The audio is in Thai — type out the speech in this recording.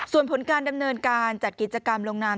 ส่วนผลการดำเนินการจัดกิจกรรมลงนาม